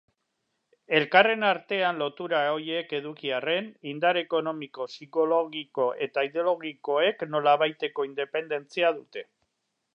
Elkarren artean lotura horiek eduki arren, indar ekonomiko, psikologiko eta ideologikoek nolabaiteko independentzia dute.